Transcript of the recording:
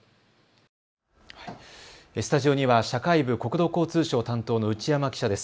スタジオには社会部国土交通省担当の内山記者です。